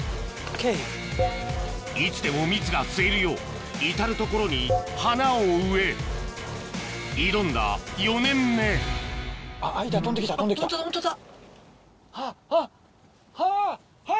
いつでも蜜が吸えるよう至る所に花を植え挑んだ４年目ホントだホントだ！